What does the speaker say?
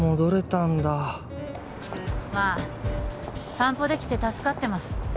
散歩できて助かってます